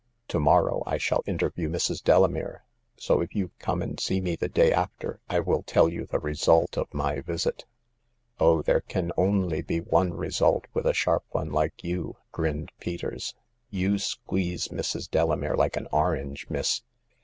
To morrow I shall interview Mrs. Delamere ; so if you come and see me the day after, I will tell you the result of my visit." " Oh, there can only be one result with a sharp one like you," grinned Peters. " You squeeze Mrs. Delamere like an orange, miss.